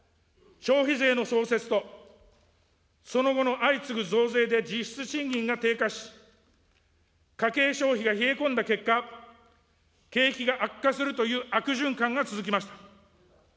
消費税の創設と、その後の相次ぐ増税で実質賃金が低下し、家計消費が冷え込んだ結果、景気が悪化するという悪循環が続きました。